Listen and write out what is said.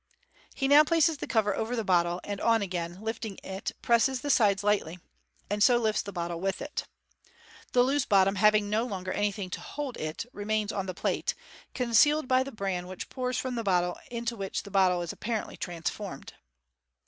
He now places the cover over the bottle, and on again lifting it presses the sides slightly, and so lifts the bottle with it. The loose bottom, having no longer anything to hold it, remains on the plate, concealed by the bran which pours from the bottle, and into which the bottle is apparently transformed.